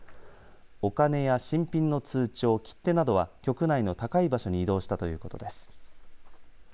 お金や新品の通帳、切手などは局内の高い場所に移動したということです。